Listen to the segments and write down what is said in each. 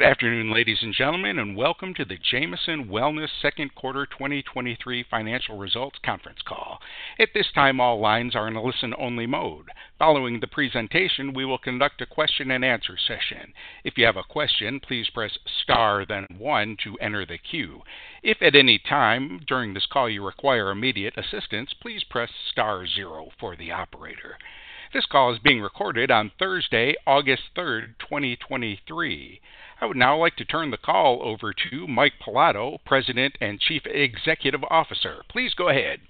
Good afternoon, ladies and gentlemen, welcome to the Jamieson Wellness second quarter 2023 financial results conference call. At this time, all lines are in a listen-only mode. Following the presentation, we will conduct a question-and-answer session. If you have a question, please press star, then one to enter the queue. If at any time during this call you require immediate assistance, please press star zero for the operator. This call is being recorded on Thursday, August 3rd, 2023. I would now like to turn the call over to Mike Pilato, President and Chief Executive Officer. Please go ahead.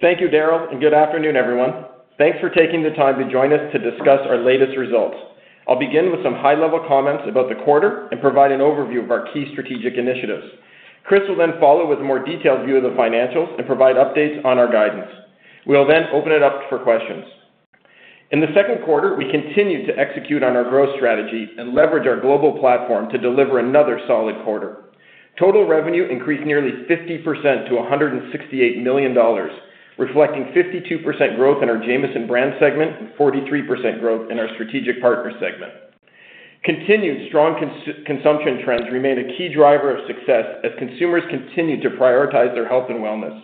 Thank you, Daryl. Good afternoon, everyone. Thanks for taking the time to join us to discuss our latest results. I'll begin with some high-level comments about the quarter and provide an overview of our key strategic initiatives. Chris will follow with a more detailed view of the financials and provide updates on our guidance. We'll open it up for questions. In the second quarter, we continued to execute on our growth strategy and leverage our global platform to deliver another solid quarter. Total revenue increased nearly 50% to 168 million dollars, reflecting 52% growth in our Jamieson Brands segment and 43% growth in our Strategic Partners segment. Continued strong consumption trends remain a key driver of success as consumers continue to prioritize their health and wellness.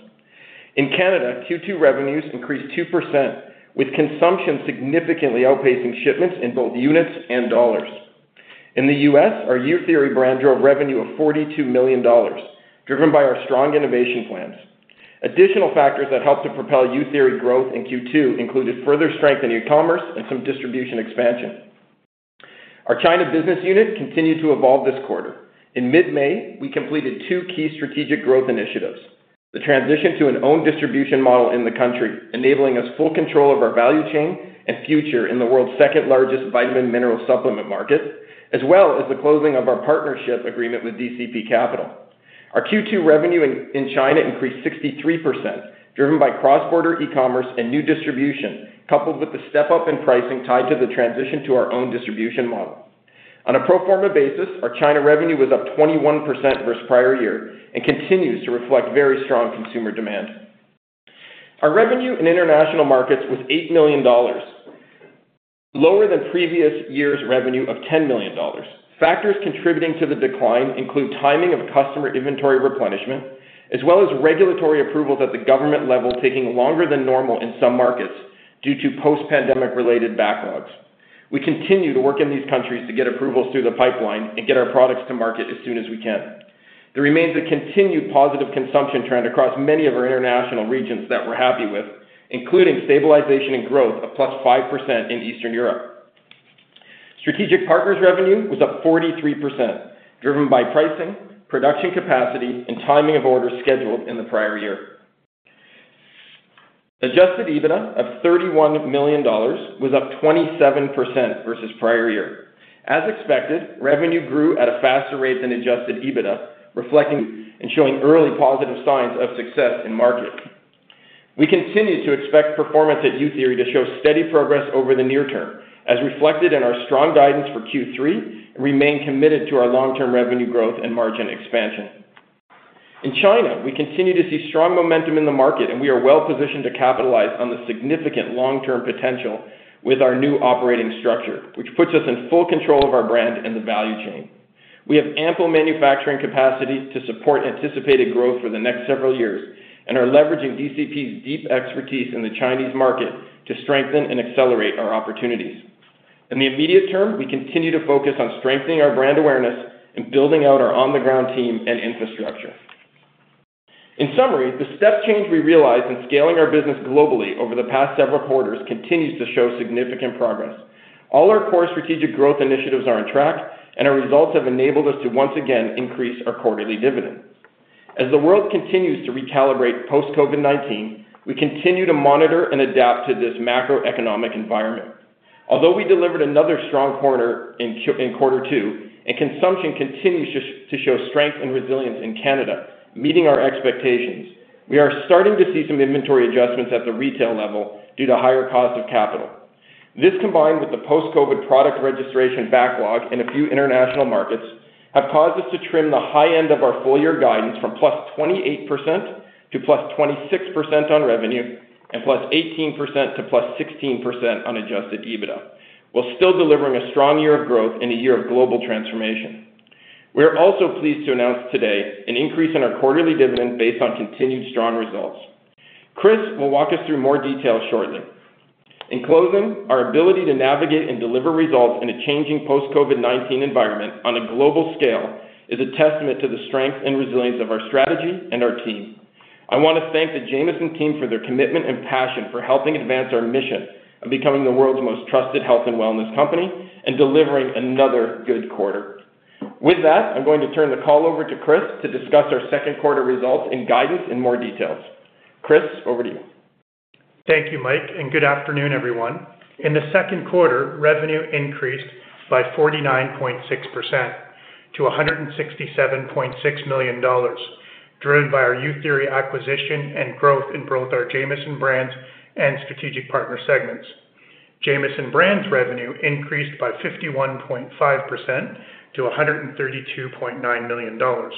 In Canada, Q2 revenues increased 2%, with consumption significantly outpacing shipments in both units and dollars. In the U.S., our Youtheory brand drove revenue of $42 million, driven by our strong innovation plans. Additional factors that helped to propel Youtheory growth in Q2 included further strength in e-commerce and some distribution expansion. Our China business unit continued to evolve this quarter. In mid-May, we completed two key strategic growth initiatives: the transition to an own distribution model in the country, enabling us full control of our value chain and future in the world's second-largest vitamin mineral supplement market, as well as the closing of our partnership agreement with DCP Capital. Our Q2 revenue in China increased 63%, driven by cross-border e-commerce and new distribution, coupled with the step-up in pricing tied to the transition to our own distribution model. On a pro forma basis, our China revenue was up 21% versus prior year and continues to reflect very strong consumer demand. Our revenue in international markets was 8 million dollars, lower than previous year's revenue of 10 million dollars. Factors contributing to the decline include timing of customer inventory replenishment, as well as regulatory approvals at the government level, taking longer than normal in some markets due to post-pandemic related backlogs. We continue to work in these countries to get approvals through the pipeline and get our products to market as soon as we can. There remains a continued positive consumption trend across many of our international regions that we're happy with, including stabilization and growth of +5% in Eastern Europe. Strategic Partners revenue was up 43%, driven by pricing, production capacity, and timing of orders scheduled in the prior year. Adjusted EBITDA of $31 million was up 27% versus prior year. As expected, revenue grew at a faster rate than Adjusted EBITDA, reflecting and showing early positive signs of success in market. We continue to expect performance at Youtheory to show steady progress over the near term, as reflected in our strong guidance for Q3, and remain committed to our long-term revenue growth and margin expansion. In China, we continue to see strong momentum in the market, and we are well positioned to capitalize on the significant long-term potential with our new operating structure, which puts us in full control of our brand and the value chain. We have ample manufacturing capacity to support anticipated growth for the next several years and are leveraging DCP's deep expertise in the Chinese market to strengthen and accelerate our opportunities. In the immediate term, we continue to focus on strengthening our brand awareness and building out our on-the-ground team and infrastructure. In summary, the step change we realized in scaling our business globally over the past several quarters continues to show significant progress. All our core strategic growth initiatives are on track, and our results have enabled us to once again increase our quarterly dividend. As the world continues to recalibrate post COVID-19, we continue to monitor and adapt to this macroeconomic environment. Although we delivered another strong quarter in quarter two, and consumption continues to show strength and resilience in Canada, meeting our expectations, we are starting to see some inventory adjustments at the retail level due to higher cost of capital. This, combined with the post-COVID product registration backlog in a few international markets, have caused us to trim the high end of our full year guidance from +28% to +26% on revenue, and +18% to +16% on Adjusted EBITDA, while still delivering a strong year of growth in a year of global transformation. We are also pleased to announce today an increase in our quarterly dividend based on continued strong results. Chris will walk us through more details shortly. In closing, our ability to navigate and deliver results in a changing post-COVID-19 environment on a global scale is a testament to the strength and resilience of our strategy and our team. I want to thank the Jamieson team for their commitment and passion for helping advance our mission of becoming the world's most trusted health and wellness company and delivering another good quarter. With that, I'm going to turn the call over to Chris to discuss our second quarter results and guidance in more details. Chris, over to you. Thank you, Mike. Good afternoon, everyone. In the second quarter, revenue increased by 49.6% to 167.6 million dollars, driven by our Youtheory acquisition and growth in both our Jamieson Brands and Strategic Partner segments. Jamieson Brands revenue increased by 51.5% to 132.9 million dollars.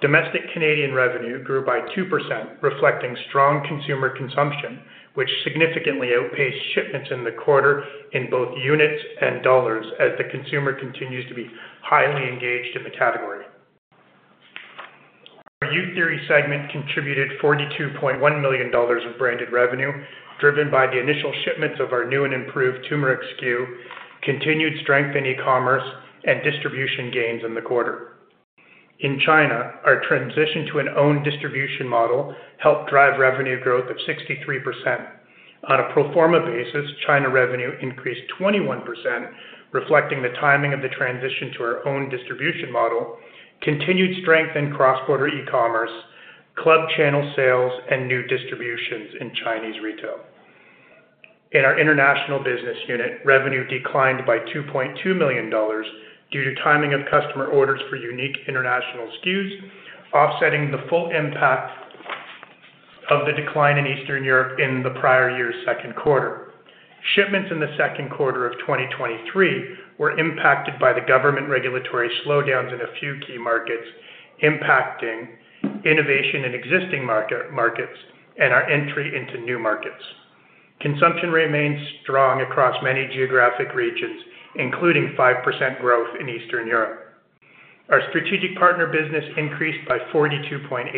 Domestic Canadian revenue grew by 2%, reflecting strong consumer consumption, which significantly outpaced shipments in the quarter in both units and dollars, as the consumer continues to be highly engaged in the category. Our Youtheory segment contributed 42.1 million dollars of branded revenue, driven by the initial shipments of our new and improved turmeric SKU, continued strength in e-commerce, and distribution gains in the quarter. In China, our transition to an own distribution model helped drive revenue growth of 63%. On a pro forma basis, China revenue increased 21%, reflecting the timing of the transition to our own distribution model, continued strength in cross-border e-commerce, club channel sales, and new distributions in Chinese retail. In our international business unit, revenue declined by $2.2 million due to timing of customer orders for unique international SKUs, offsetting the full impact of the decline in Eastern Europe in the prior year's second quarter. Shipments in the second quarter of 2023 were impacted by the government regulatory slowdowns in a few key markets, impacting innovation in existing markets and our entry into new markets. Consumption remains strong across many geographic regions, including 5% growth in Eastern Europe. Our Strategic Partners business increased by 42.8%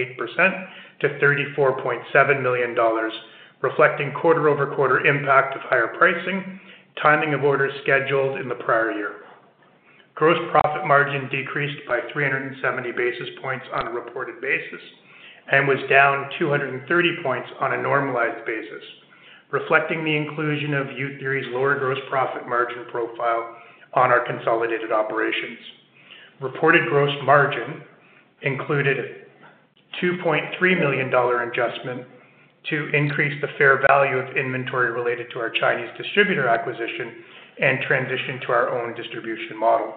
to 34.7 million dollars, reflecting quarter-over-quarter impact of higher pricing, timing of orders scheduled in the prior year. Gross profit margin decreased by 370 basis points on a reported basis and was down 230 points on a normalized basis, reflecting the inclusion of Youtheory's lower gross profit margin profile on our consolidated operations. Reported gross margin included 2.3 million dollar adjustment to increase the fair value of inventory related to our Chinese distributor acquisition and transition to our own distribution model.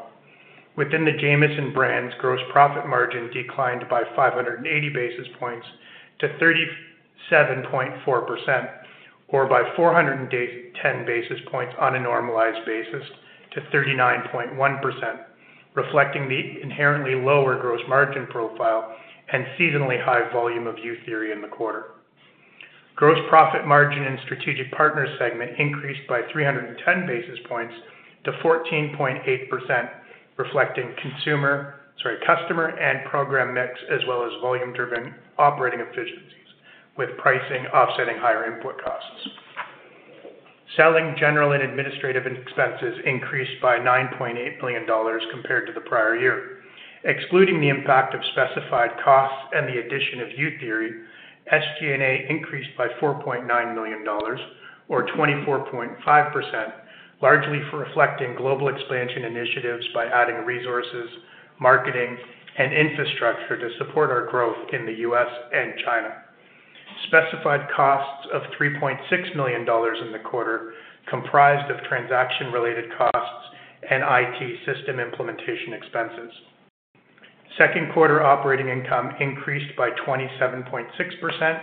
Within the Jamieson Brands, gross profit margin declined by 580 basis points to 37.4%, or by 410 basis points on a normalized basis to 39.1%, reflecting the inherently lower gross margin profile and seasonally high volume of Youtheory in the quarter. Gross profit margin in Strategic Partners segment increased by 310 basis points to 14.8%, reflecting customer and program mix, as well as volume-driven operating efficiencies with pricing offsetting higher input costs. Selling general and administrative expenses increased by $9.8 million compared to the prior year. Excluding the impact of specified costs and the addition of Youtheory, SG&A increased by $4.9 million or 24.5%, largely for reflecting global expansion initiatives by adding resources, marketing, and infrastructure to support our growth in the U.S. and China. Specified costs of $3.6 million in the quarter comprised of transaction-related costs and IT system implementation expenses. Second quarter operating income increased by 27.6%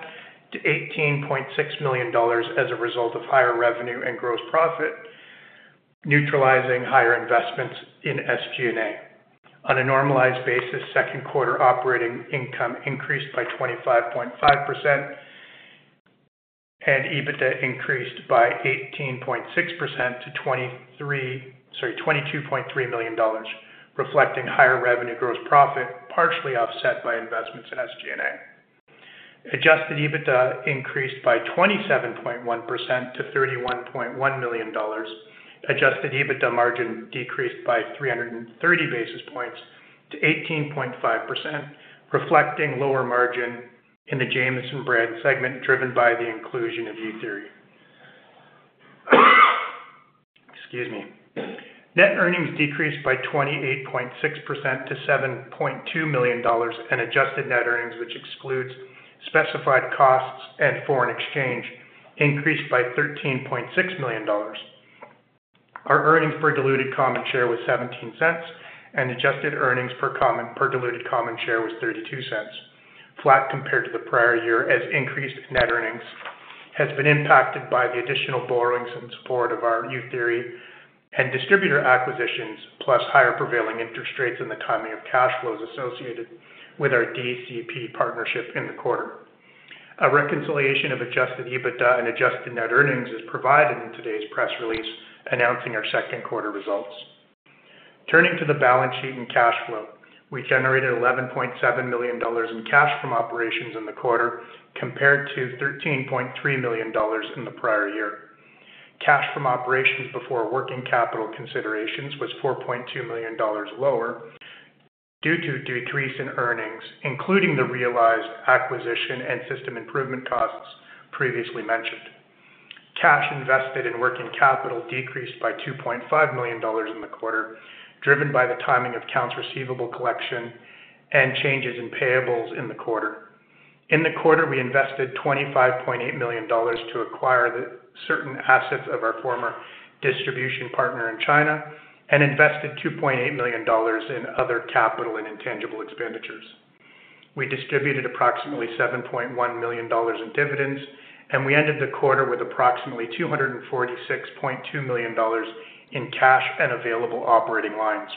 to $18.6 million as a result of higher revenue and gross profit, neutralizing higher investments in SG&A. On a normalized basis, second quarter operating income increased by 25.5%, and EBITDA increased by 18.6% to $23, sorry, $22.3 million, reflecting higher revenue gross profit, partially offset by investments in SG&A. Adjusted EBITDA increased by 27.1% to 31.1 million dollars. Adjusted EBITDA margin decreased by 330 basis points to 18.5%, reflecting lower margin in the Jamieson Brands segment, driven by the inclusion of Youtheory. Excuse me. Net earnings decreased by 28.6% to 7.2 million dollars, and adjusted net earnings, which excludes specified costs and foreign exchange, increased by 13.6 million dollars. Our earnings per diluted common share was 0.17, and adjusted earnings per common, per diluted common share was 0.32, flat compared to the prior year, as increased net earnings has been impacted by the additional borrowings in support of our Youtheory and distributor acquisitions, plus higher prevailing interest rates and the timing of cash flows associated with our DCP Partnership in the quarter. A reconciliation of Adjusted EBITDA and adjusted net earnings is provided in today's press release, announcing our second quarter results. Turning to the balance sheet and cash flow, we generated 11.7 million dollars in cash from operations in the quarter, compared to 13.3 million dollars in the prior year. Cash from operations before working capital considerations was 4.2 million dollars lower due to a decrease in earnings, including the realized acquisition and system improvement costs previously mentioned. Cash invested in working capital decreased by 2.5 million dollars in the quarter, driven by the timing of accounts receivable collection and changes in payables in the quarter. In the quarter, we invested 25.8 million dollars to acquire the certain assets of our former distribution partner in China and invested 2.8 million dollars in other capital and intangible expenditures. We distributed approximately $7.1 million in dividends, and we ended the quarter with approximately $246.2 million in cash and available operating lines.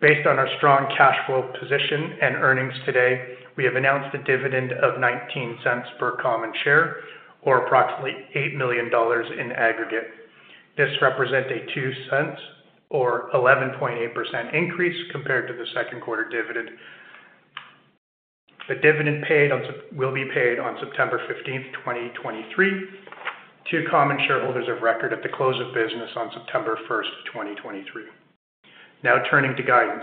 Based on our strong cash flow position and earnings today, we have announced a dividend of $0.19 per common share, or approximately $8 million in aggregate. This represents a $0.02 or 11.8% increase compared to the second quarter dividend. The dividend will be paid on September 15, 2023, to common shareholders of record at the close of business on September 1, 2023. Now turning to guidance.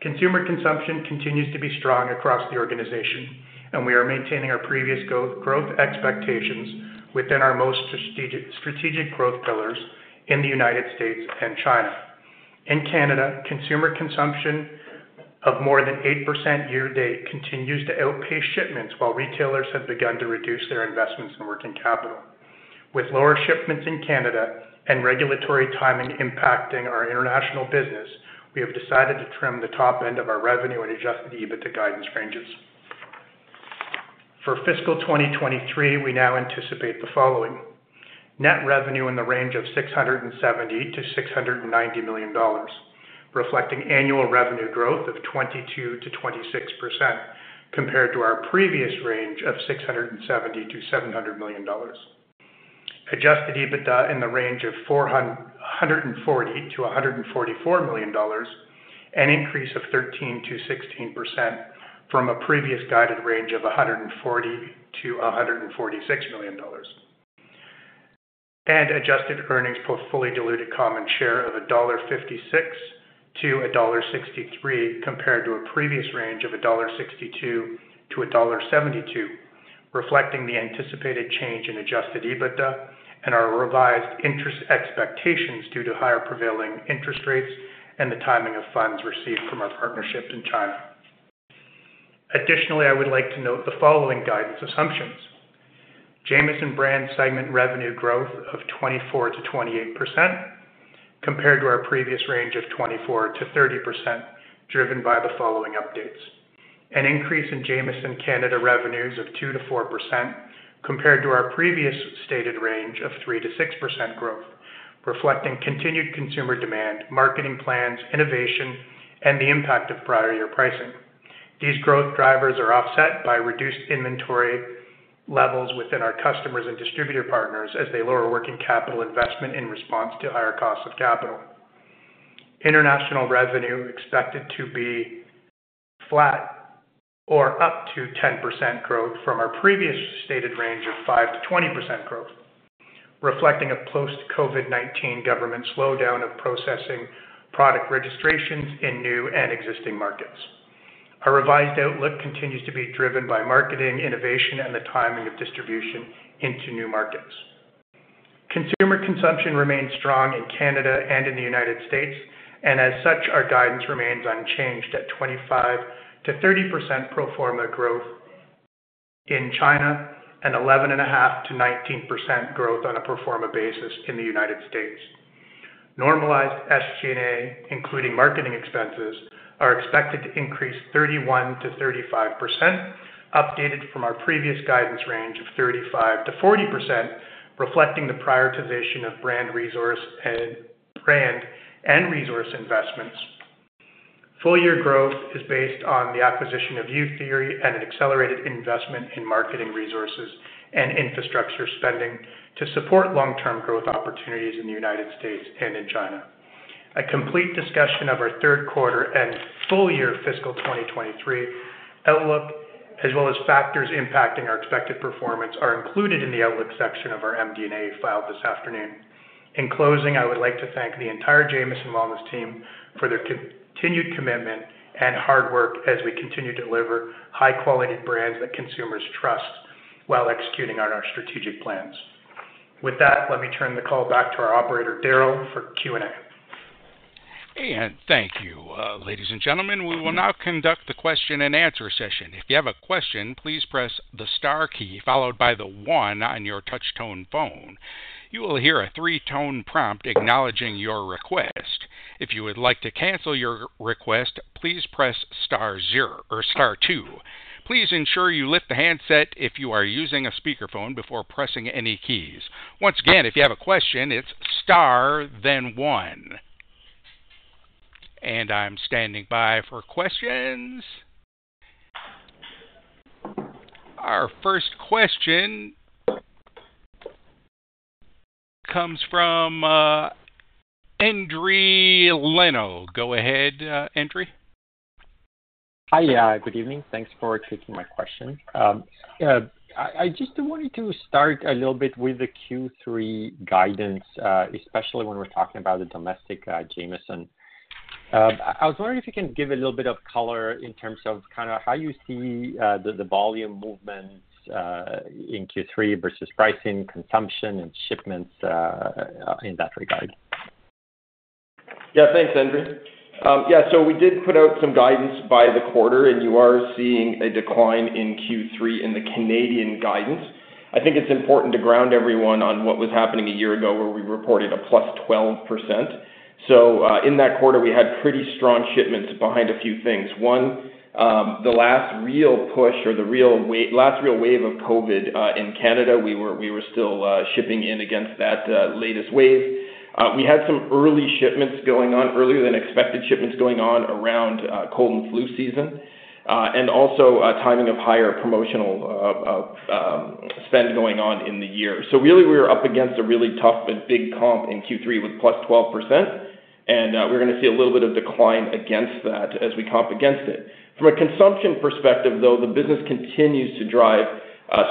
Consumer consumption continues to be strong across the organization, and we are maintaining our previous go-growth expectations within our most strategic, strategic growth pillars in the United States and China. In Canada, consumer consumption of more than 8% year-to-date continues to outpace shipments, while retailers have begun to reduce their investments in working capital. With lower shipments in Canada and regulatory timing impacting our international business, we have decided to trim the top end of our revenue and Adjusted EBITDA guidance ranges. For fiscal 2023, we now anticipate the following: Net revenue in the range of 670 million-690 million dollars, reflecting annual revenue growth of 22%-26% compared to our previous range of 670 million-700 million dollars. Adjusted EBITDA in the range of 140 million-144 million dollars, an increase of 13%-16% from a previous guided range of 140 million-146 million dollars. Adjusted earnings per fully diluted common share of $1.56-$1.63, compared to a previous range of $1.62-$1.72, reflecting the anticipated change in Adjusted EBITDA and our revised interest expectations due to higher prevailing interest rates and the timing of funds received from our partnership in China. Additionally, I would like to note the following guidance assumptions. Jamieson Brand segment revenue growth of 24%-28%, compared to our previous range of 24%-30%, driven by the following updates. An increase in Jamieson Canada revenues of 2%-4%, compared to our previous stated range of 3%-6% growth, reflecting continued consumer demand, marketing plans, innovation, and the impact of prior year pricing. These growth drivers are offset by reduced inventory levels within our customers and distributor partners as they lower working capital investment in response to higher costs of capital. International revenue expected to be flat or up to 10% growth from our previous stated range of 5%-20% growth, reflecting a post-COVID-19 government slowdown of processing product registrations in new and existing markets. Our revised outlook continues to be driven by marketing, innovation, and the timing of distribution into new markets. As such, our guidance remains unchanged at 25%-30% pro forma growth in China and 11.5%-19% growth on a pro forma basis in the United States. Normalized SG&A, including marketing expenses, are expected to increase 31%-35%, updated from our previous guidance range of 35%-40%, reflecting the prioritization of brand and resource investments. Full year growth is based on the acquisition of Youtheory and an accelerated investment in marketing resources and infrastructure spending to support long-term growth opportunities in the United States and in China. A complete discussion of our third quarter and full year fiscal 2023 outlook, as well as factors impacting our expected performance, are included in the outlook section of our MD&A filed this afternoon. In closing, I would like to thank the entire Jamieson Wellness team for their continued commitment and hard work as we continue to deliver high-quality brands that consumers trust while executing on our strategic plans. With that, let me turn the call back to our operator, Daryl, for Q&A. Thank you. Ladies and gentlemen, we will now conduct the question and answer session. If you have a question, please press the star key followed by the one on your touchtone phone. You will hear a three-tone prompt acknowledging your request. If you would like to cancel your request, please press star zero or star two. Please ensure you lift the handset if you are using a speakerphone before pressing any keys. Once again, if you have a question, it's star, then one. I'm standing by for questions. Our first question comes from Endri Leno. Go ahead, Endri. Hi, good evening. Thanks for taking my question. I, I just wanted to start a little bit with the Q3 guidance, especially when we're talking about the domestic Jamieson. I was wondering if you can give a little bit of color in terms of kinda how you see the volume movements in Q3 versus pricing, consumption, and shipments in that regard? Yeah, thanks, Endri. Yeah, so we did put out some guidance by the quarter, and you are seeing a decline in Q3 in the Canadian guidance. I think it's important to ground everyone on what was happening a year ago, where we reported a +12%. In that quarter, we had pretty strong shipments behind a few things. One, the last real push or the last real wave of COVID, in Canada, we were, we were still shipping in against that latest wave. We had some early shipments going on, earlier than expected shipments going on around cold and flu season. Also a timing of higher promotional spend going on in the year. Really, we were up against a really tough but big comp in Q3 with +12%, we're gonna see a little bit of decline against that as we comp against it. From a consumption perspective, though, the business continues to drive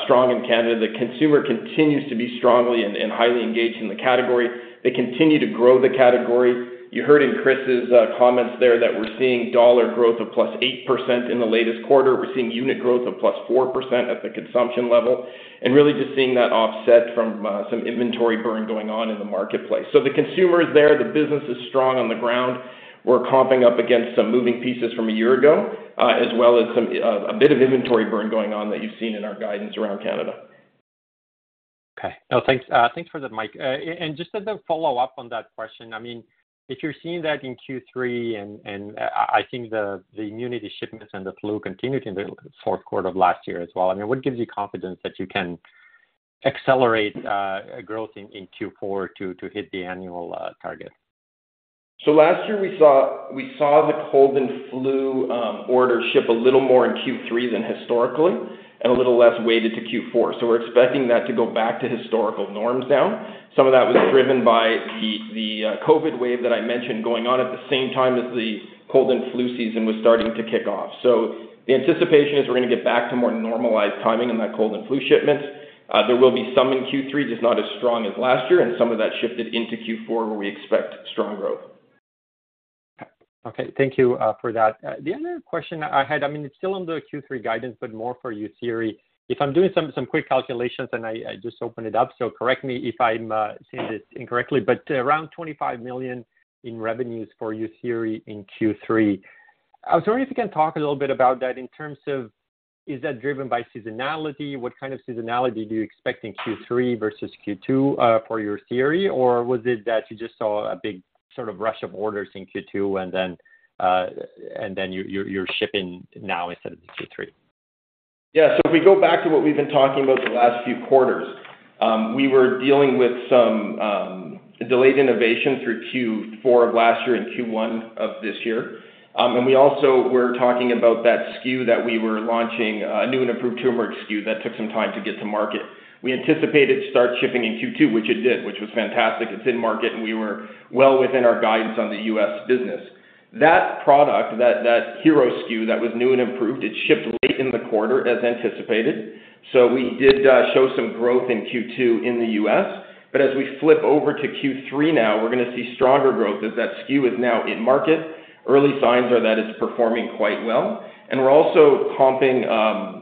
strong in Canada. The consumer continues to be strongly and highly engaged in the category. They continue to grow the category. You heard in Chris's comments there that we're seeing dollar growth of +8% in the latest quarter. We're seeing unit growth of plus 4% at the consumption level, and really just seeing that offset from some inventory burn going on in the marketplace. The consumer is there, the business is strong on the ground. We're comping up against some moving pieces from a year ago, as well as some, a bit of inventory burn going on that you've seen in our guidance around Canada. Okay. No, thanks, thanks for that, Mike. Just as a follow-up on that question, I mean, if you're seeing that in Q3, and I think the, the immunity shipments and the flu continued in the fourth quarter of last year as well, I mean, what gives you confidence that you can accelerate, growth in, in Q4 to, to hit the annual, target? Last year we saw, we saw the cold and flu order ship a little more in Q3 than historically, and a little less weighted to Q4. We're expecting that to go back to historical norms now. Some of that was driven by the, the COVID wave that I mentioned going on at the same time as the cold and flu season was starting to kick off. The anticipation is we're gonna get back to more normalized timing in that cold and flu shipments. There will be some in Q3, just not as strong as last year, and some of that shifted into Q4, where we expect strong growth. Okay. Thank you for that. The other question I had, I mean, it's still on the Q3 guidance, but more for Youtheory. If I'm doing some quick calculations, and I just opened it up, so correct me if I'm seeing this incorrectly, but around 25 million in revenues for Youtheory in Q3. I was wondering if you can talk a little bit about that in terms of, is that driven by seasonality? What kind of seasonality do you expect in Q3 versus Q2 for Youtheory? Or was it that you just saw a big sort of rush of orders in Q2 and then you're shipping now instead of the Q3? Yeah. If we go back to what we've been talking about the last few quarters, we were dealing with some delayed innovation through Q4 of last year and Q1 of this year. We also were talking about that SKU that we were launching, a new and improved turmeric SKU that took some time to get to market. We anticipated to start shipping in Q2, which it did, which was fantastic. It's in market, and we were well within our guidance on the US business. That product, that, that hero SKU, that was new and improved, it shipped late in the quarter as anticipated. We did show some growth in Q2 in the U.S. As we flip over to Q3 now, we're gonna see stronger growth as that SKU is now in market. Early signs are that it's performing quite well. We're also comping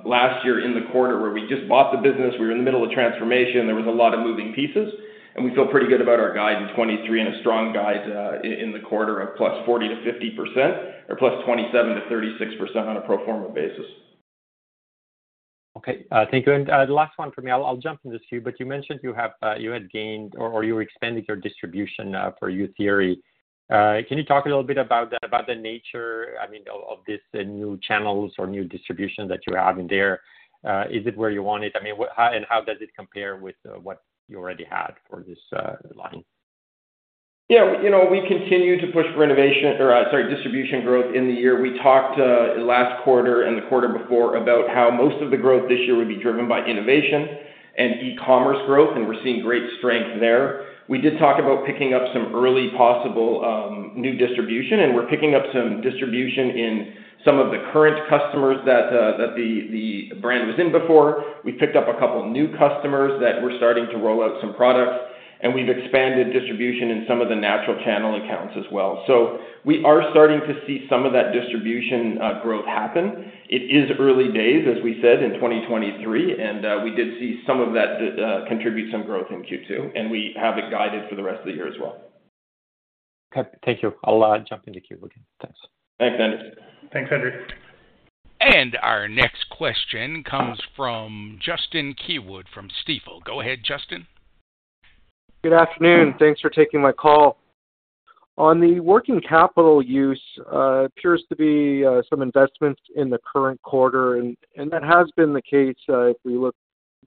last year in the quarter where we just bought the business. We were in the middle of transformation. There was a lot of moving pieces. We feel pretty good about our guide in 2023 and a strong guide, in the quarter of +40% to +50%, or +27% to +36% on a pro forma basis. Okay, thank you. The last one for me, I'll, I'll jump in the queue, but you mentioned you have, you had gained or, or you expanded your distribution for Youtheory. Can you talk a little bit about the nature, I mean, of this new channels or new distribution that you have in there? Is it where you want it? I mean, what... how does it compare with what you already had for this line? Yeah, you know, we continue to push renovation, or sorry, distribution growth in the year. We talked last quarter and the quarter before about how most of the growth this year would be driven by innovation and e-commerce growth, and we're seeing great strength there. We did talk about picking up some early possible new distribution, and we're picking up some distribution in some of the current customers that, that the, the brand was in before. We picked up a couple of new customers that we're starting to roll out some products, and we've expanded distribution in some of the natural channel accounts as well. We are starting to see some of that distribution growth happen. It is early days, as we said, in 2023, and we did see some of that contribute some growth in Q2, and we have it guided for the rest of the year as well. Okay, thank you. I'll jump in the queue again. Thanks. Thanks, Endri. Thanks, Endri. Our next question comes from Justin Keywood from Stifel. Go ahead, Justin. Good afternoon. Thanks for taking my call. On the working capital use, appears to be some investments in the current quarter, and that has been the case, if we look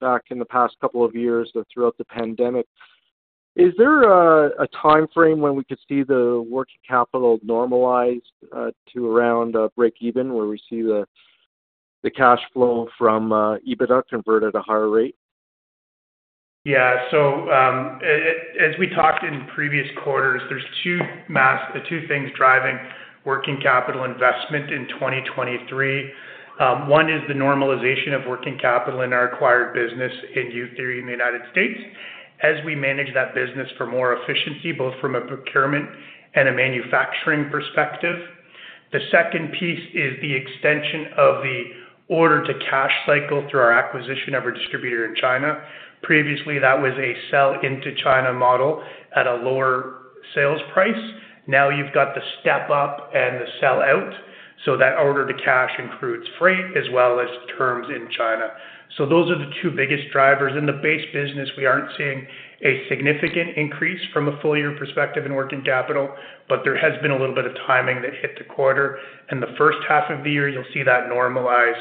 back in the past couple of years throughout the pandemic. Is there a timeframe when we could see the working capital normalized to around break even, where we see the cash flow from EBITDA convert at a higher rate? Yeah. As we talked in previous quarters, there's two things driving working capital investment in 2023. One is the normalization of working capital in our acquired business in Youtheory in the United States, as we manage that business for more efficiency, both from a procurement and a manufacturing perspective. The second piece is the extension of the order-to-cash cycle through our acquisition of a distributor in China. Previously, that was a sell into China model at a lower sales price. Now you've got the step up and the sell out, that order to cash includes freight as well as terms in China. Those are the two biggest drivers. In the base business, we aren't seeing a significant increase from a full year perspective in working capital, there has been a little bit of timing that hit the quarter. In the first half of the year, you'll see that normalize.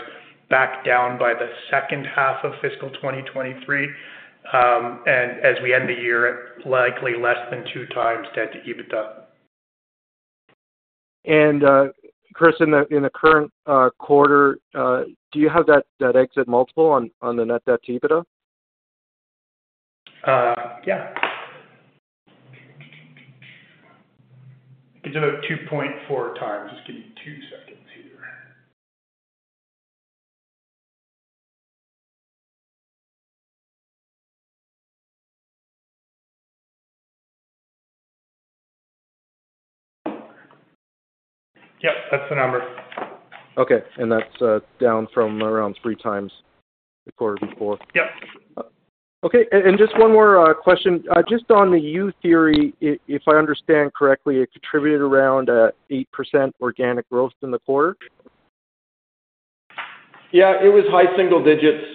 back down by the second half of fiscal 2023. As we end the year, likely less than 2x debt to EBITDA. Chris, in the, in the current quarter, do you have that, that exit multiple on, on the net debt to EBITDA? Yeah. It's about 2.4 times. Just give me two seconds here. Yep, that's the number. Okay. That's down from around 3x the quarter before? Yep. Okay, and, and just one more question. Just on the Youtheory, if I understand correctly, it contributed around, 8% organic growth in the quarter? Yeah, it was high single digits,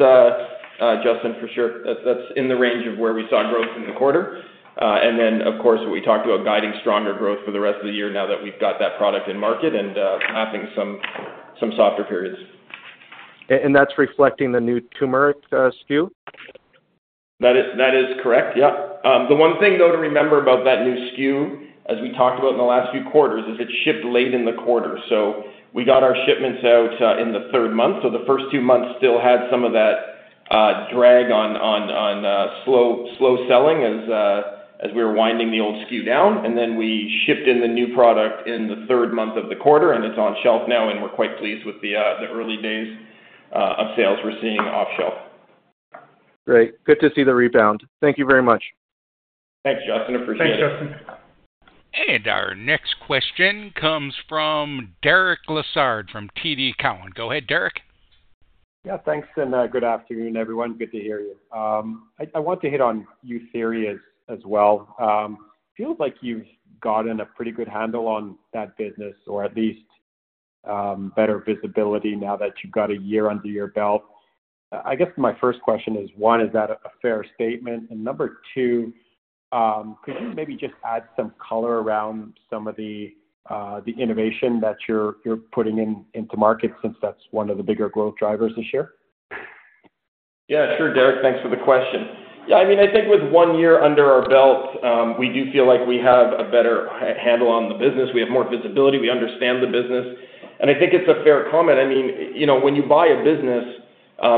Justin, for sure. That's in the range of where we saw growth in the quarter. Then, of course, we talked about guiding stronger growth for the rest of the year now that we've got that product in market and passing some softer periods. That's reflecting the new turmeric, SKU? That is, that is correct. Yep. The one thing, though, to remember about that new SKU, as we talked about in the last few quarters, is it shipped late in the quarter. We got our shipments out in the third month. The first two months still had some of that drag on slow, slow selling as we were winding the old SKU down, and then we shipped in the new product in the third month of the quarter, and it's on shelf now, and we're quite pleased with the early days of sales we're seeing off shelf. Great. Good to see the rebound. Thank you very much. Thanks, Justin. Appreciate it. Thanks, Justin. Our next question comes from Derek Lessard, from TD Cowen. Go ahead, Derek. Yeah, thanks, and good afternoon, everyone. Good to hear you. I, I want to hit on Youtheory as, as well. Feels like you've gotten a pretty good handle on that business, or at least, better visibility now that you've got a year under your belt. I guess my first question is, one, is that a fair statement? Number two, could you maybe just add some color around some of the, the innovation that you're, you're putting in, into market since that's one of the bigger growth drivers this year? Yeah, sure, Derek. Thanks for the question. Yeah, I mean, I think with one year under our belt, we do feel like we have a better handle on the business. We have more visibility, we understand the business, and I think it's a fair comment. I mean, you know, when you buy a business,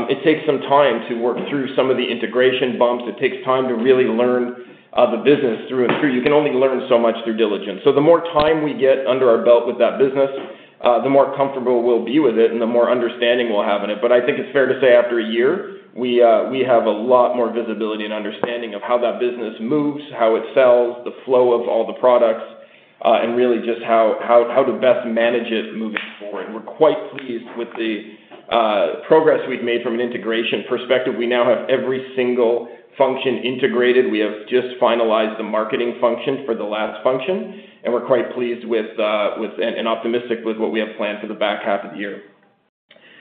it takes some time to work through some of the integration bumps. It takes time to really learn the business through and through. You can only learn so much through diligence. The more time we get under our belt with that business, the more comfortable we'll be with it and the more understanding we'll have in it. I think it's fair to say after a year, we have a lot more visibility and understanding of how that business moves, how it sells, the flow of all the products, and really just how to best manage it moving forward. We're quite pleased with the progress we've made from an integration perspective. We now have every single function integrated. We have just finalized the marketing function for the last function, and we're quite pleased with and optimistic with what we have planned for the back half of the year.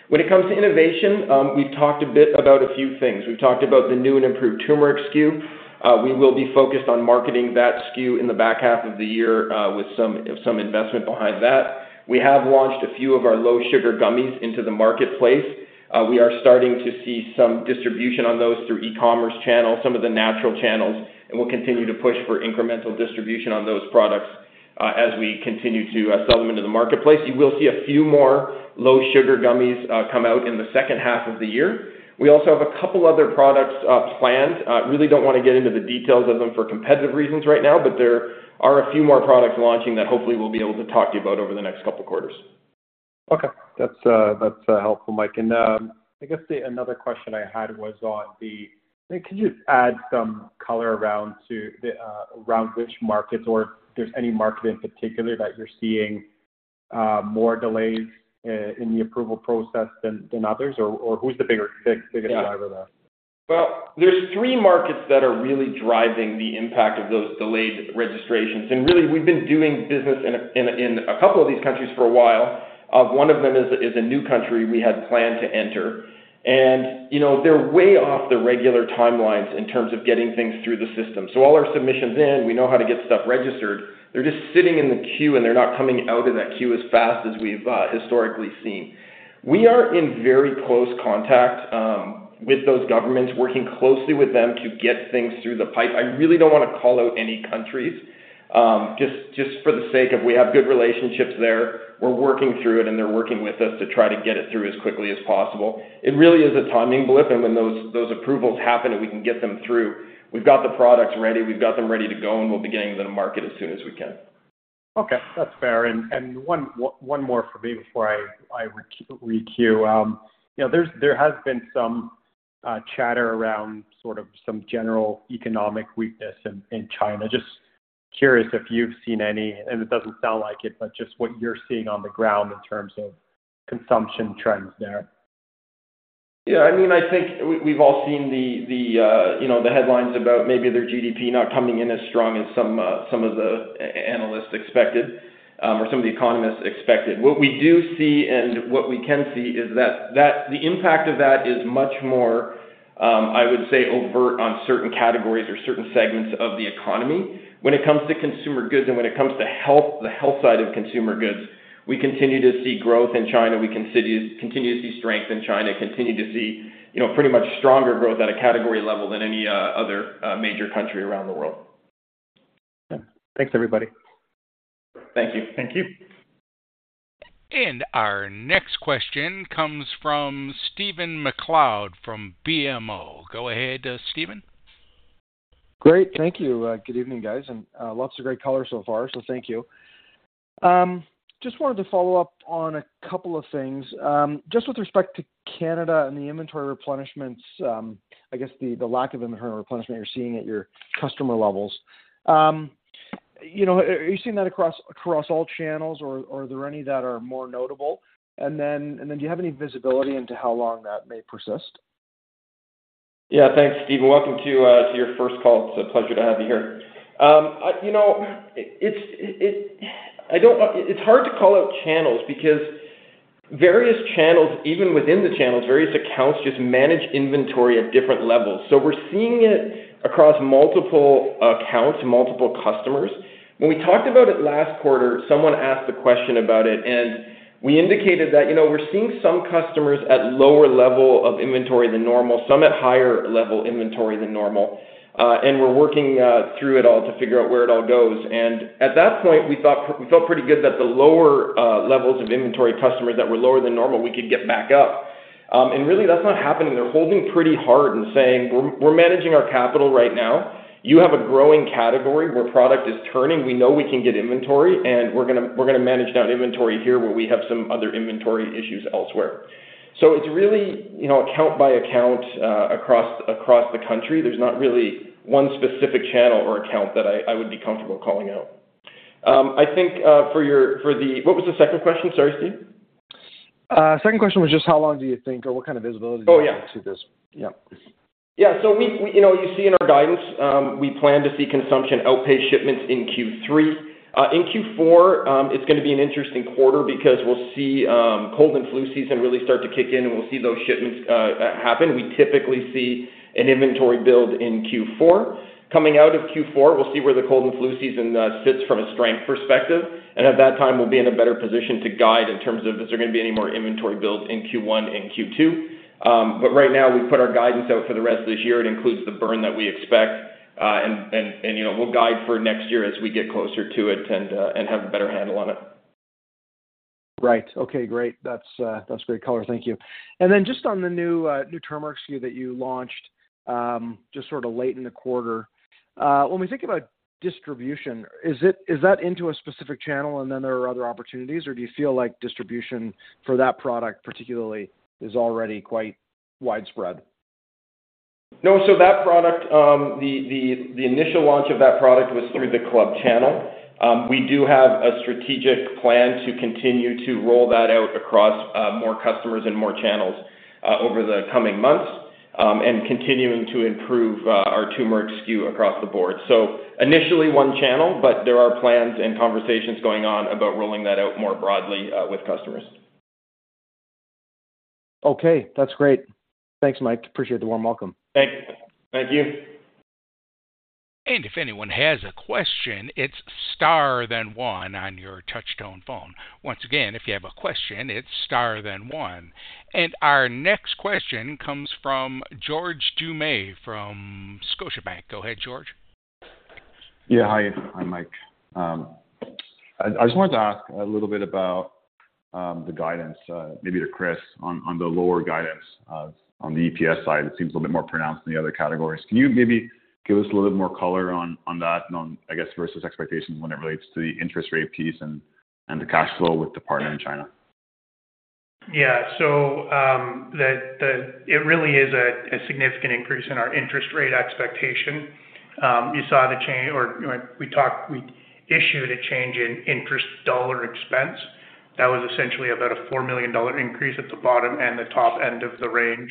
When it comes to innovation, we've talked a bit about a few things. We've talked about the new and improved turmeric SKU. We will be focused on marketing that SKU in the back half of the year, with some investment behind that. We have launched a few of our low-sugar gummies into the marketplace. We are starting to see some distribution on those through e-commerce channels, some of the natural channels, and we'll continue to push for incremental distribution on those products as we continue to sell them into the marketplace. You will see a few more low-sugar gummies come out in the second half of the year. We also have a couple other products planned. Really don't want to get into the details of them for competitive reasons right now, but there are a few more products launching that hopefully we'll be able to talk to you about over the next couple of quarters. Okay. That's, that's helpful, Mike. I guess the another question I had was on the... Can you add some color around to the around which markets or if there's any market in particular that you're seeing more delays in the approval process than others, or who's the biggest driver of that? Well, there's three markets that are really driving the impact of those delayed registrations. Really, we've been doing business in a, in a, in a couple of these countries for a while. One of them is a, is a new country we had planned to enter. You know, they're way off the regular timelines in terms of getting things through the system. All our submissions in, we know how to get stuff registered. They're just sitting in the queue, and they're not coming out in that queue as fast as we've historically seen. We are in very close contact with those governments, working closely with them to get things through the pipe. I really don't want to call out any countries, just, just for the sake of we have good relationships there. We're working through it, and they're working with us to try to get it through as quickly as possible. It really is a timing blip, and when those, those approvals happen and we can get them through, we've got the products ready, we've got them ready to go, and we'll be getting them to market as soon as we can. Okay. That's fair. And one, one more for me before I, I recue. You know, there's, there has been some chatter around sort of some general economic weakness in China. Just curious if you've seen any, and it doesn't sound like it, but just what you're seeing on the ground in terms of consumption trends there. Yeah, I mean, I think we, we've all seen the, the, you know, the headlines about maybe their GDP not coming in as strong as some, some of the analysts expected, or some of the economists expected. What we do see, and what we can see, is that, that the impact of that is much more, I would say overt on certain categories or certain segments of the economy. When it comes to consumer goods and when it comes to health, the health side of consumer goods, we continue to see growth in China. We continue, continue to see strength in China, continue to see, you know, pretty much stronger growth at a category level than any other major country around the world. Thanks, everybody. Thank you. Thank you. Our next question comes from Stephen MacLeod from BMO. Go ahead, Stephen. Great. Thank you. Good evening, guys, and lots of great color so far, so thank you. Just wanted to follow up on a couple of things. Just with respect to Canada and the inventory replenishments, I guess the, the lack of inventory replenishment you're seeing at your customer levels. You know, are you seeing that across, across all channels, or, are there any that are more notable? Then, and then do you have any visibility into how long that may persist? Yeah. Thanks, Stephen. Welcome to your first call. It's a pleasure to have you here. You know, it's hard to call out channels because various channels, even within the channels, various accounts just manage inventory at different levels. We're seeing it across multiple accounts, multiple customers. When we talked about it last quarter, someone asked a question about it, we indicated that, you know, we're seeing some customers at lower level of inventory than normal, some at higher level inventory than normal, and we're working through it all to figure out where it all goes. At that point, we thought we felt pretty good that the lower levels of inventory customers that were lower than normal, we could get back up. Really that's not happening. They're holding pretty hard and saying, "We're, we're managing our capital right now. You have a growing category where product is turning. We know we can get inventory, and we're gonna, we're gonna manage down inventory here, where we have some other inventory issues elsewhere." It's really, you know, account by account, across, across the country. There's not really one specific channel or account that I, I would be comfortable calling out. I think, What was the second question? Sorry, Steve. Second question was just how long do you think, or what kind of visibility- Oh, yeah. To this? Yeah. Yeah, we, you know, you see in our guidance, we plan to see consumption outpace shipments in Q3. In Q4, it's gonna be an interesting quarter because we'll see cold and flu season really start to kick in, and we'll see those shipments happen. We typically see an inventory build in Q4. Coming out of Q4, we'll see where the cold and flu season sits from a strength perspective. At that time, we'll be in a better position to guide in terms of, is there gonna be any more inventory builds in Q1 and Q2? Right now, we've put our guidance out for the rest of this year. It includes the burn that we expect, and, you know, we'll guide for next year as we get closer to it and have a better handle on it. Right. Okay, great. That's, that's great color. Thank you. Then just on the new, new turmeric SKU that you launched, just sort of late in the quarter. When we think about distribution, is it- is that into a specific channel and then there are other opportunities, or do you feel like distribution for that product particularly is already quite widespread? No, that product, the, the, the initial launch of that product was through the club channel. We do have a strategic plan to continue to roll that out across more customers and more channels over the coming months, and continuing to improve our turmeric SKU across the board. Initially, one channel, but there are plans and conversations going on about rolling that out more broadly with customers. Okay, that's great. Thanks, Mike. Appreciate the warm welcome. Thank you. If anyone has a question, it's star then one on your touchtone phone. Once again, if you have a question, it's star then one. Our next question comes from George Doumet from Scotiabank. Go ahead, George. Yeah, hi. Hi, Mike. I, I just wanted to ask a little bit about the guidance, maybe to Chris, on the lower guidance, on the EPS side. It seems a little bit more pronounced than the other categories. Can you maybe give us a little bit more color on that and on, I guess, versus expectations when it relates to the interest rate piece and, and the cash flow with the partner in China? Yeah. It really is a significant increase in our interest rate expectation. You saw the change or, you know, we talked-- we issued a change in interest dollar expense. That was essentially about a 4 million dollar increase at the bottom and the top end of the range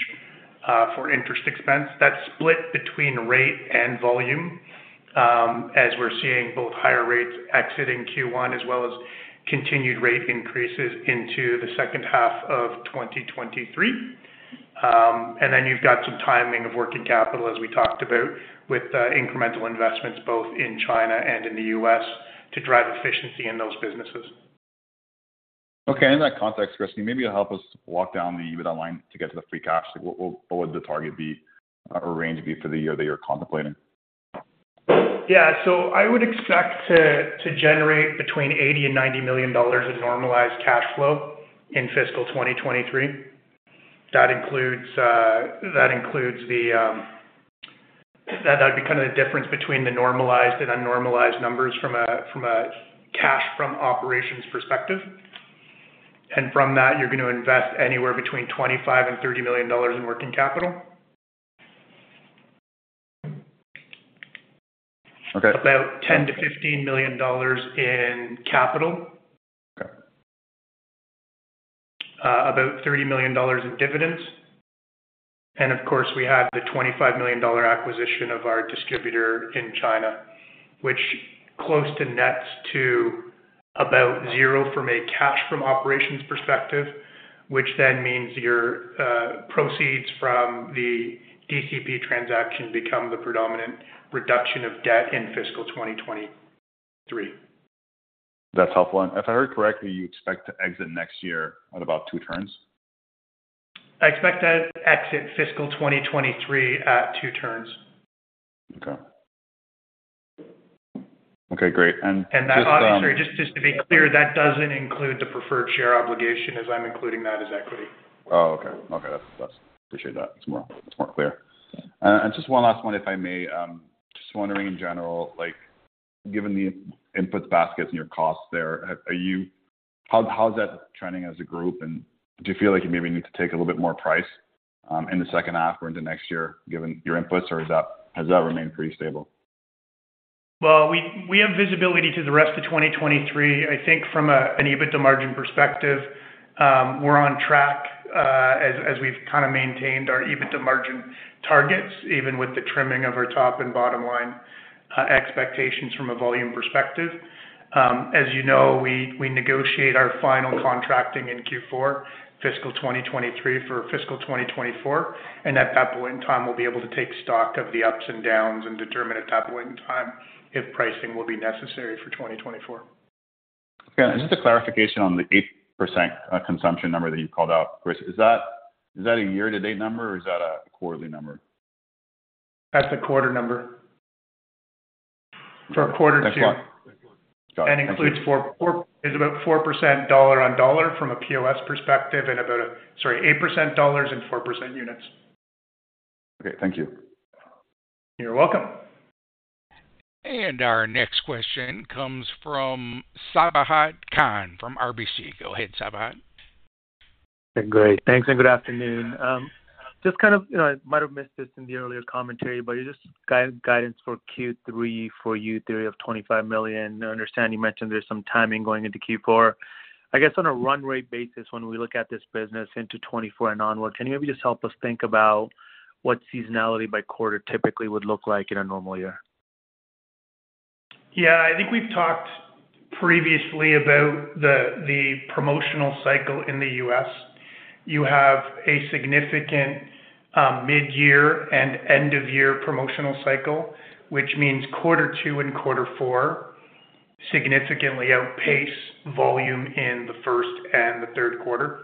for interest expense. That's split between rate and volume, as we're seeing both higher rates exiting Q1, as well as continued rate increases into the second half of 2023. Then you've got some timing of working capital, as we talked about, with incremental investments both in China and in the U.S., to drive efficiency in those businesses. Okay, in that context, Chris, maybe you'll help us walk down the EBITDA line to get to the free cash. What, what, what would the target be, or range be for the year that you're contemplating? Yeah. I would expect to, to generate between 80 million and 90 million dollars in normalized cash flow in fiscal 2023. That includes, that includes the. That'd be kind of the difference between the normalized and unnormalized numbers from a, from a cash from operations perspective. From that, you're going to invest anywhere between 25 million and 30 million dollars in working capital. Okay. About 10 million-15 million dollars in capital. Okay. About 30 million dollars in dividends, and of course, we have the 25 million dollar acquisition of our distributor in China. Which close to nets to about zero from a cash from operations perspective, which then means your proceeds from the DCP transaction become the predominant reduction of debt in fiscal 2023. That's helpful. If I heard correctly, you expect to exit next year at about two turns? I expect to exit fiscal 2023 at two turns. Okay. Okay, great. just, Sorry, just, just to be clear, that doesn't include the preferred share obligation, as I'm including that as equity. Oh, okay. Okay, that's appreciate that. It's more, it's more clear. Just one last one, if I may. Just wondering in general, like, given the input baskets and your costs there, are, are you... How, how is that trending as a group, and do you feel like you maybe need to take a little bit more price, in the second half or into next year, given your inputs, or is that has that remained pretty stable? Well, we, we have visibility to the rest of 2023. I think from a, an EBITDA margin perspective, we're on track, as, as we've kind of maintained our EBITDA margin targets, even with the trimming of our top and bottom line, expectations from a volume perspective. As you know, we, we negotiate our final contracting in Q4, fiscal 2023 for fiscal 2024, and at that point in time, we'll be able to take stock of the ups and downs and determine at that point in time if pricing will be necessary for 2024. Okay. Just a clarification on the 8% consumption number that you called out. Is that, is that a year-to-date number or is that a quarterly number? That's a quarter number. For quarter two. Thanks a lot. It's about 4% dollar on dollar from a POS perspective, and about, sorry, 8% CAD dollars and 4% units. Okay, thank you. You're welcome. Our next question comes from Sabahat Khan, from RBC. Go ahead, Sabahat. Great. Thanks. Good afternoon. just kind of, you know, I might have missed this in the earlier commentary, but just guidance for Q3 of 25 million. I understand you mentioned there's some timing going into Q4. I guess on a run rate basis, when we look at this business into 2024 and onward, can you maybe just help us think about what seasonality by quarter typically would look like in a normal year? Yeah, I think we've talked previously about the, the promotional cycle in the U.S. You have a significant, mid-year and end-of-year promotional cycle, which means quarter two and quarter four significantly outpace volume in the first and the third quarter.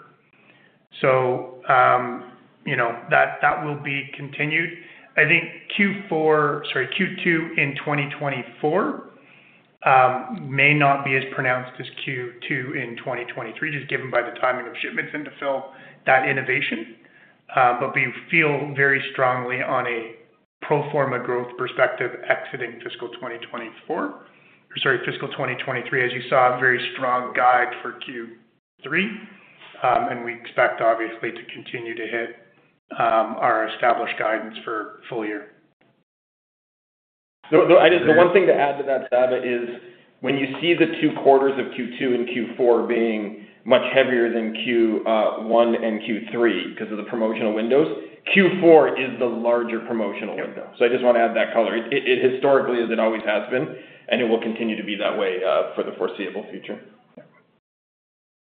You know, that, that will be continued. I think Q4, sorry, Q2 in 2024 may not be as pronounced as Q2 in 2023, just given by the timing of shipments and to fill that innovation. We feel very strongly on a pro forma growth perspective exiting fiscal 2024, sorry, fiscal 2023, as you saw, a very strong guide for Q3. We expect, obviously, to continue to hit our established guidance for full year. I just... The one thing to add to that, Sabahat, is when you see the two quarters of Q2 and Q4 being much heavier than Q1 and Q3, because of the promotional windows, Q4 is the larger promotional window. I just want to add that color. It, it historically, as it always has been, and it will continue to be that way, for the foreseeable future.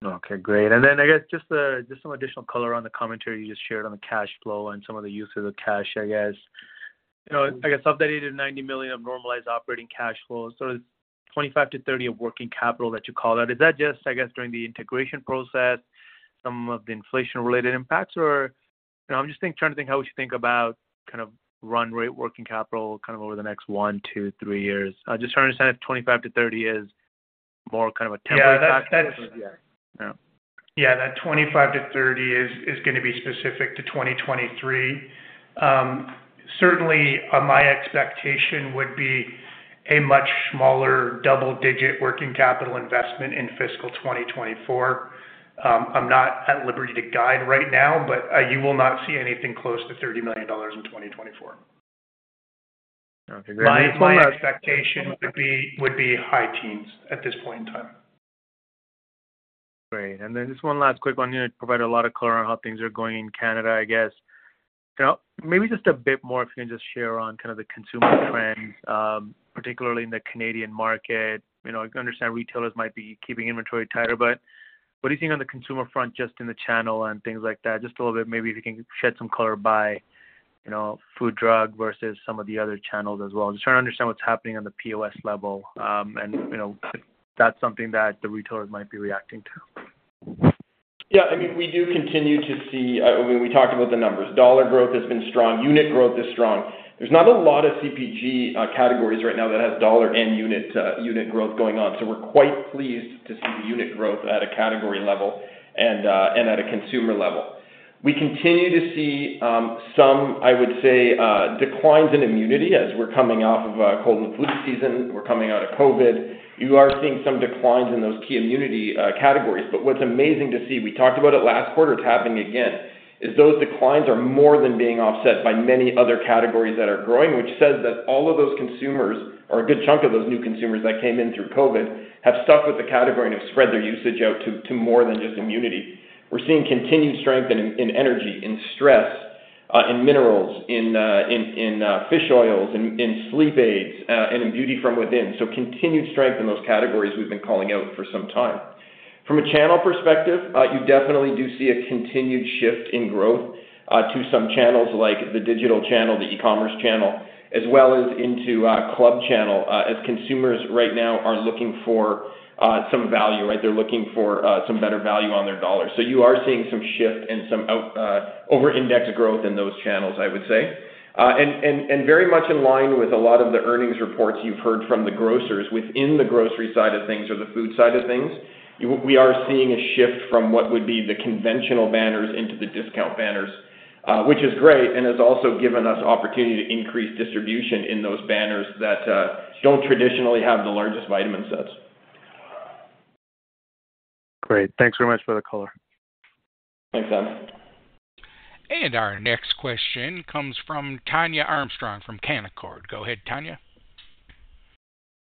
Okay, great. I guess just, just some additional color on the commentary you just shared on the cash flow and some of the uses of cash, I guess. You know, I guess updated 90 million of normalized operating cash flow. 25 million-30 million of working capital that you called out. Is that just, I guess, during the integration process, some of the inflation-related impacts, or? You know, I'm just trying to think how we should think about kind of run rate working capital, kind of over the next one to three years. I just want to understand if 25 million-30 million is more kind of a temporary? Yeah, that. Yeah. That 25-30 is, is gonna be specific to 2023. Certainly, my expectation would be a much smaller double-digit working capital investment in fiscal 2024. I'm not at liberty to guide right now, you will not see anything close to 30 million dollars in 2024. Okay, great. My, my expectation would be, would be high teens at this point in time. Great. Then just one last quick one. You provided a lot of color on how things are going in Canada, I guess. You know, maybe just a bit more, if you can just share on kind of the consumer trends, particularly in the Canadian market. You know, I understand retailers might be keeping inventory tighter, but what do you think on the consumer front, just in the channel and things like that? Just a little bit, maybe if you can shed some color by, you know, food, drug versus some of the other channels as well. Just trying to understand what's happening on the POS level, and, you know, if that's something that the retailers might be reacting to. Yeah, I mean, we do continue to see. I mean, we talked about the numbers. Dollar growth has been strong, unit growth is strong. There's not a lot of CPG categories right now that has dollar and unit growth going on. We're quite pleased to see unit growth at a category level and at a consumer level. We continue to see, some, I would say, declines in immunity as we're coming off of a cold and flu season, we're coming out of COVID. You are seeing some declines in those key immunity categories. What's amazing to see, we talked about it last quarter, it's happening again, is those declines are more than being offset by many other categories that are growing, which says that all of those consumers or a good chunk of those new consumers that came in through COVID, have stuck with the category and have spread their usage out to, to more than just immunity. We're seeing continued strength in energy, in stress, in minerals, in fish oils, in sleep aids, and in beauty from within. Continued strength in those categories we've been calling out for some time. From a channel perspective, you definitely do see a continued shift in growth, to some channels like the digital channel, the e-commerce channel, as well as into, club channel, as consumers right now are looking for, some value, right? They're looking for, some better value on their dollar. You are seeing some shift and some out, over index growth in those channels, I would say. Very much in line with a lot of the earnings reports you've heard from the grocers. Within the grocery side of things or the food side of things, we are seeing a shift from what would be the conventional banners into the discount banners, which is great, and has also given us opportunity to increase distribution in those banners that, don't traditionally have the largest vitamin sets. Great. Thanks very much for the color. Thanks, Sab. Our next question comes from Tania Armstrong from Canaccord. Go ahead, Tania.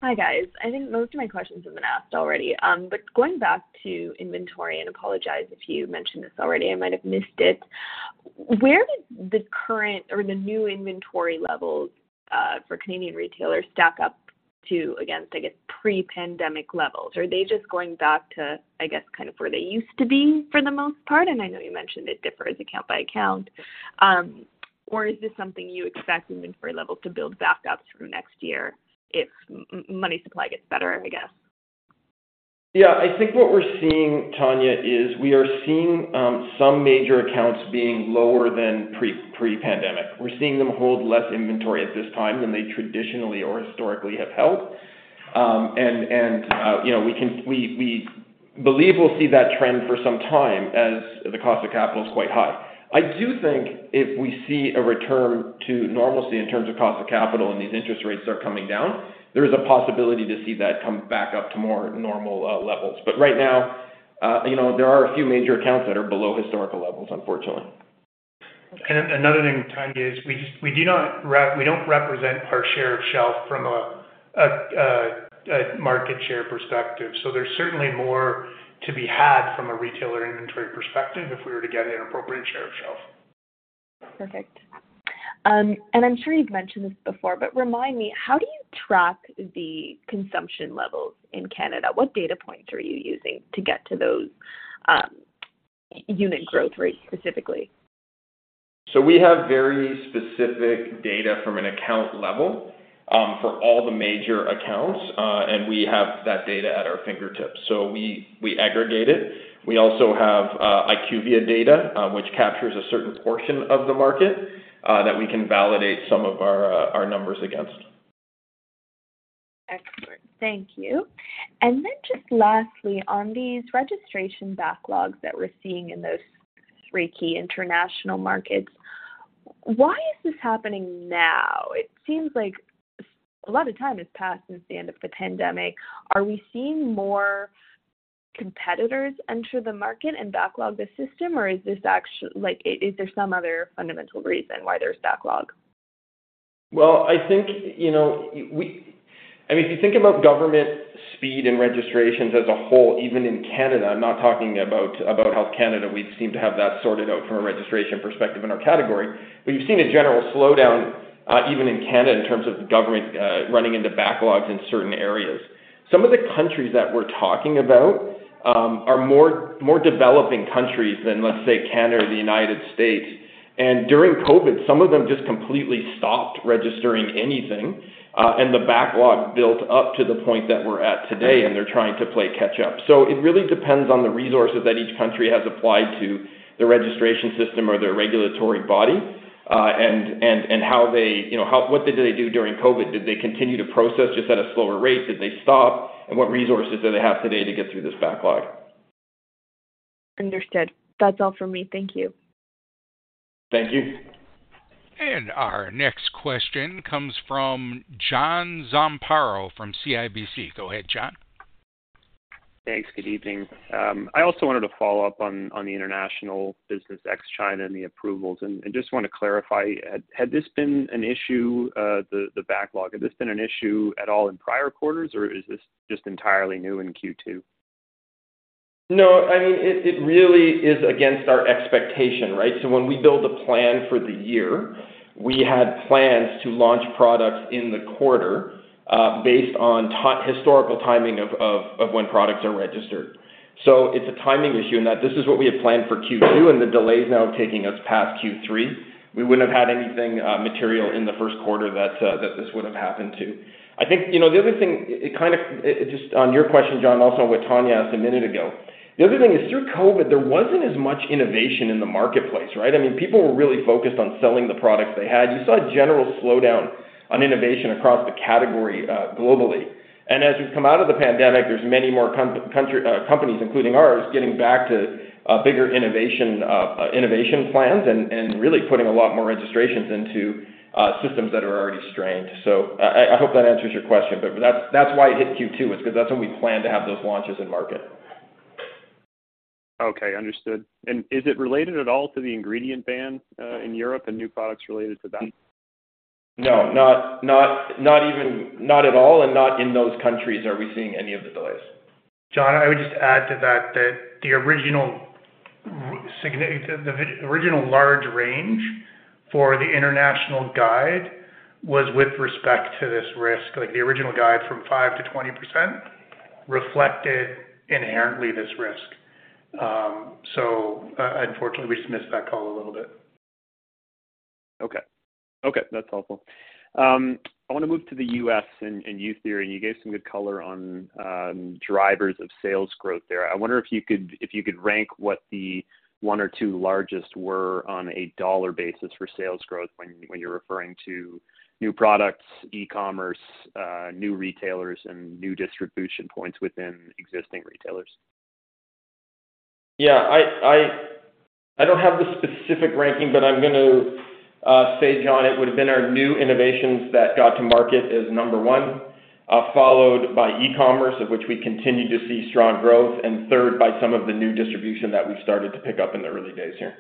Hi, guys. I think most of my questions have been asked already, but going back to inventory, and apologize if you mentioned this already, I might have missed it. Where does this current or the new inventory levels for Canadian retailers stack up to against, I guess, pre-pandemic levels? Are they just going back to, I guess, kind of where they used to be for the most part? Is this something you expect inventory levels to build back up through next year if money supply gets better, I guess? Yeah, I think what we're seeing, Tania, is we are seeing some major accounts being lower than pre-pandemic. We're seeing them hold less inventory at this time than they traditionally or historically have held. You know, we believe we'll see that trend for some time as the cost of capital is quite high. I do think if we see a return to normalcy in terms of cost of capital and these interest rates are coming down, there is a possibility to see that come back up to more normal levels. Right now, you know, there are a few major accounts that are below historical levels, unfortunately. Another thing, Tania, is we don't represent our share of shelf from a market share perspective. There's certainly more to be had from a retailer inventory perspective if we were to get an appropriate share of shelf. Perfect. I'm sure you've mentioned this before, but remind me, how do you track the consumption levels in Canada? What data points are you using to get to those unit growth rates, specifically? We have very specific data from an account level, for all the major accounts, and we have that data at our fingertips, so we, we aggregate it. We also have IQVIA data, which captures a certain portion of the market, that we can validate some of our, our numbers against. Excellent. Thank you. Then just lastly, on these registration backlogs that we're seeing in those three key international markets, why is this happening now? It seems like a lot of time has passed since the end of the pandemic. Are we seeing more competitors enter the market and backlog the system, or is this actually some other fundamental reason why there's backlog? Well, I think, you know, I mean, if you think about government speed and registrations as a whole, even in Canada, I'm not talking about, about Health Canada, we seem to have that sorted out from a registration perspective in our category. You've seen a general slowdown, even in Canada, in terms of the government, running into backlogs in certain areas. Some of the countries that we're talking about, are more, more developing countries than, let's say, Canada or the United States. During COVID, some of them just completely stopped registering anything, and the backlog built up to the point that we're at today, and they're trying to play catch up. It really depends on the resources that each country has applied to the registration system or their regulatory body, and how they, you know, what did they do during COVID-19? Did they continue to process just at a slower rate? Did they stop? And what resources do they have today to get through this backlog? Understood. That's all for me. Thank you. Thank you. Our next question comes from John Zamparo from CIBC. Go ahead, John. Thanks. Good evening. I also wanted to follow up on, on the international business ex China and the approvals, and, and just want to clarify, had this been an issue, the, the backlog, had this been an issue at all in prior quarters, or is this just entirely new in Q2? No, I mean, it, it really is against our expectation, right? When we build a plan for the year, we had plans to launch products in the quarter, based on historical timing when products are registered. It's a timing issue in that this is what we had planned for Q2, and the delay is now taking us past Q3. We wouldn't have had anything material in the first quarter that this would have happened to. I think, you know, the other thing, just on your question, John, also what Tania asked a minute ago. The other thing is, through COVID, there wasn't as much innovation in the marketplace, right? I mean, people were really focused on selling the products they had. You saw a general slowdown on innovation across the category, globally. As we've come out of the pandemic, there's many more country companies, including ours, getting back to bigger innovation, innovation plans and really putting a lot more registrations into systems that are already strained. I, I, I hope that answers your question, but that's, that's why it hit Q2, is because that's when we planned to have those launches in market. Okay, understood. Is it related at all to the ingredient ban in Europe and new products related to that? No, not, not, not even, not at all, and not in those countries are we seeing any of the delays. John, I would just add to that, that the original large range for the international guide was with respect to this risk. Like, the original guide from 5-20% reflected inherently this risk. Unfortunately, we missed that call a little bit. Okay. Okay, that's helpful. I want to move to the U.S. and, and you, Thierry, you gave some good color on, drivers of sales growth there. I wonder if you could, if you could rank what the one or two largest were on a dollar basis for sales growth when, when you're referring to new products, e-commerce, new retailers, and new distribution points within existing retailers. Yeah, I don't have the specific ranking, but I'm going to say, John, it would have been our new innovations that got to market as number one, followed by e-commerce, of which we continue to see strong growth, and third, by some of the new distribution that we've started to pick up in the early days here.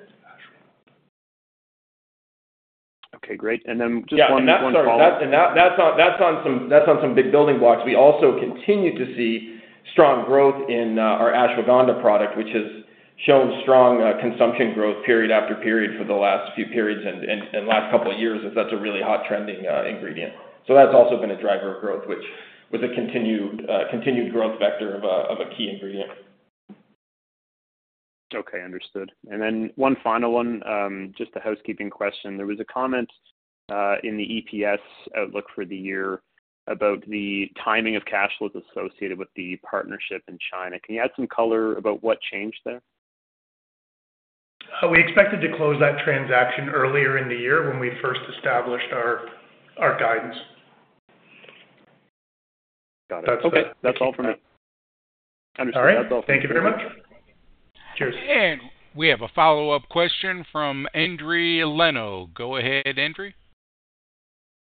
Okay, great. Then just one more follow-up. Yeah, and that's, and that, that's on, that's on some, that's on some big building blocks. We also continue to see strong growth in, our ashwagandha product, which has shown strong, consumption growth period after period for the last few periods and last couple of years, as that's a really hot trending, ingredient. That's also been a driver of growth, which was a continued, continued growth vector of a, of a key ingredient. Okay, understood. Then one final one, just a housekeeping question. There was a comment in the EPS outlook for the year about the timing of cash flows associated with the partnership in China. Can you add some color about what changed there? We expected to close that transaction earlier in the year when we first established our, our guidance. Got it. That's it. Okay. That's all from me. Understood. All right. Thank you very much. Cheers. We have a follow-up question from Endri Leno. Go ahead, Endri.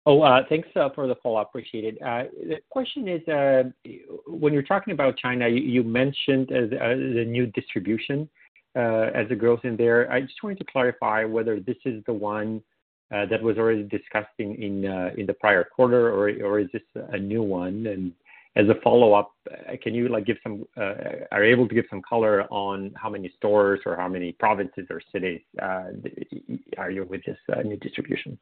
Oh, thanks for the follow-up. Appreciated. The question is, when you're talking about China, you, you mentioned as, as the new distribution, as a growth in there. I just wanted to clarify whether this is the one that was already discussed in the prior quarter, or, or is this a new one? As a follow-up, can you, like, give some? Are you able to give some color on how many stores or how many provinces or cities are you with this new distribution?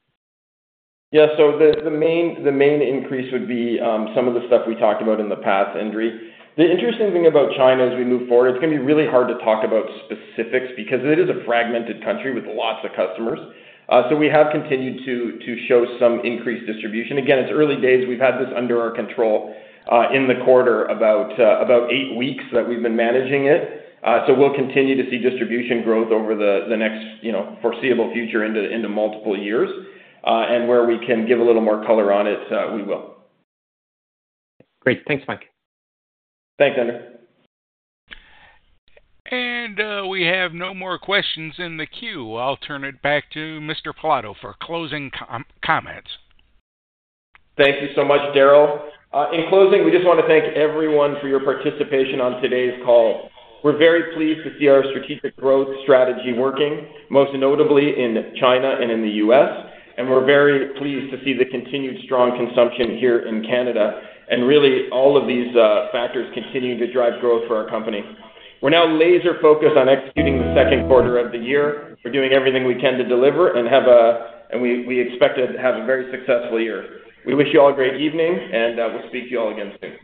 Yeah. The, the main, the main increase would be, some of the stuff we talked about in the past, Endri. The interesting thing about China as we move forward, it's going to be really hard to talk about specifics because it is a fragmented country with lots of customers. We have continued to, to show some increased distribution. Again, it's early days. We've had this under our control, in the quarter, about, about eight weeks that we've been managing it. We'll continue to see distribution growth over the, the next, you know, foreseeable future into, into multiple years. Where we can give a little more color on it, we will. Great. Thanks, Mike. Thanks, Endri. We have no more questions in the queue. I'll turn it back to Mr. Pilato for closing comments. Thank you so much, Daryl. In closing, we just want to thank everyone for your participation on today's call. We're very pleased to see our strategic growth strategy working, most notably in China and in the U.S., and we're very pleased to see the continued strong consumption here in Canada. Really, all of these factors continuing to drive growth for our company. We're now laser-focused on executing the second quarter of the year. We're doing everything we can to deliver and we, we expect to have a very successful year. We wish you all a great evening, and we'll speak to you all again soon.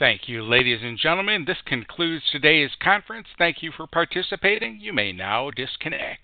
Thank you, ladies and gentlemen. This concludes today's conference. Thank you for participating. You may now disconnect.